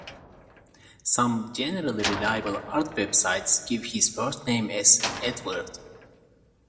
Some generally reliable art websites give his first name as Edward.